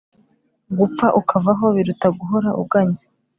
Gupfa ukavaho biruta guhora uganya,